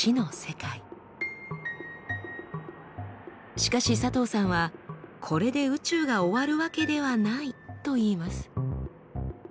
しかし佐藤さんはこれで宇宙が終わるわけではないといいます。